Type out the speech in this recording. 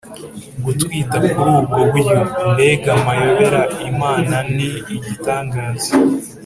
gutwita kuri ubwo buryo, mbega amayobera ! imanani igitangaza